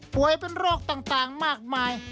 ป่วยเป็นโรคต่างมากมาย